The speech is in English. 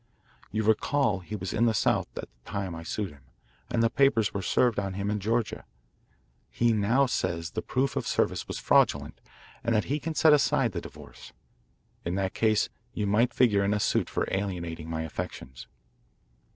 You recall he was in the South at the time I sued him, and the papers were served on him in Georgia. He now says the proof of service was fraudulent and that he can set aside the divorce. In that case you might figure in a suit for alienating my affections.